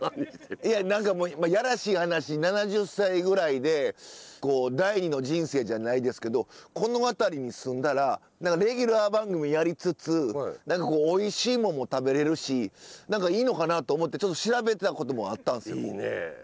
いや何かもうやらしい話７０歳ぐらいで第二の人生じゃないですけどこの辺りに住んだら何かレギュラー番組やりつつ何かこうおいしいもんも食べれるし何かいいのかなと思ってちょっと調べてたこともあったんすよ。いいね！